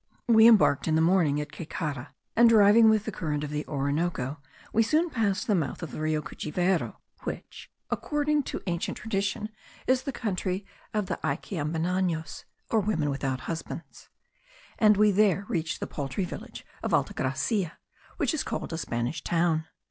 We embarked in the morning at Caycara; and driving with the current of the Orinoco, we soon passed the mouth of the Rio Cuchivero, which according to ancient tradition is the country of the Aikeambenanos, or women without husbands; and we there reached the paltry village of Alta Gracia, which is called a Spanish town.